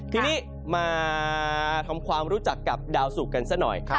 ทีนี้มาทำความรู้จักกับดาวสุกกันซะหน่อย